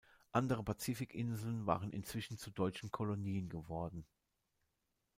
Andere Pazifikinseln waren inzwischen zu deutschen Kolonien geworden.